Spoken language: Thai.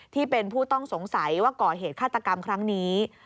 ที่เป็นผู้ต้องสงสัยว่าก่อเหตุฆาตกรรมครั้งนี้